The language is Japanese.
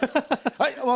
はい。